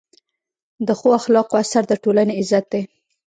د ښو اخلاقو اثر د ټولنې عزت دی.